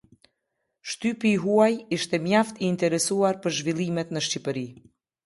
Shtypi i huaj ishte mjaft i interesuar për zhvillimet në Shqipëri.